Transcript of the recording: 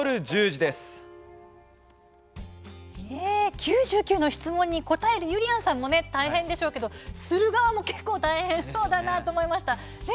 ９９の質問に答えるゆりやんさんも大変そうですがする側も大変そうだなと思いました。